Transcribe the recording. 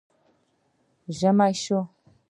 ژمی شو